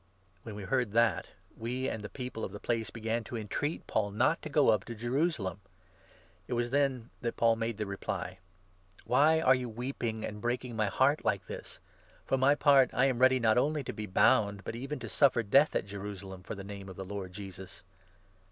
When we heard that, we and the people of the place began 12 to entreat Paul not to go up to Jerusalem. It was then .that 13 Paul made the reply : "Why are you weeping and breaking my heart like this? For my part, I am ready not only to be bound, but even to suffer death at Jerusalem for the Name of the Lord Jesus."